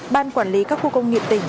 ban quản lý các khu công nghiệp tỉnh